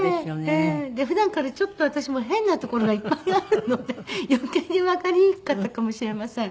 で普段からちょっと私も変なところがいっぱいあるので余計にわかりにくかったかもしれません。